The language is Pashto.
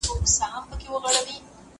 ډېری خلک وړیا مرستې ته خوشحالیږي.